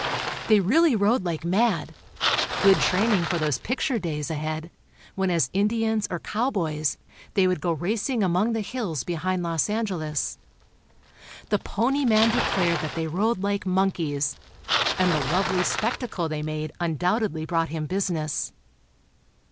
They really rode like mad—good training for those "picture" days ahead, when as Indians, or cowboys, they would go racing among the hills behind Los Angeles. The pony man declared that they rode like monkeys, and the lovely spectacle they made undoubtedly brought him business.